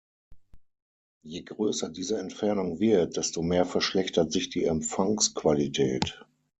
Je größer diese Entfernung wird, desto mehr verschlechtert sich die Empfangsqualität.